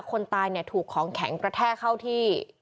คนตายเนี่ยถูกของแข็งกระแทกเข้าที่